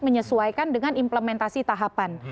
menyesuaikan dengan implementasi tahapan